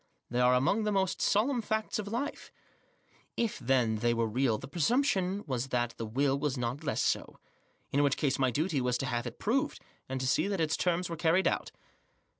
They are among the most solemn facts of life* If, then, they were real, the presumption was that the will was not less so. In which case my duty was to have it proved, and to see that to terms were carried out.